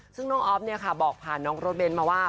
ซึ่งน้องออฟบอกผ่านน้องรถเบ้นมาว่า